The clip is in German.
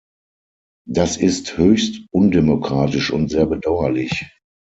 Das ist höchst undemokratisch und sehr bedauerlich.